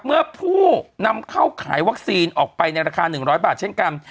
เมื่อผู้นำเข้าขายวัคซีนออกไปในราคา๑๐๐บาทเช่นกัน